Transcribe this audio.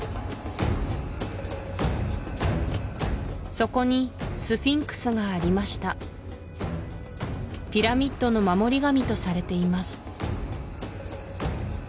そこにスフィンクスがありましたピラミッドの守り神とされています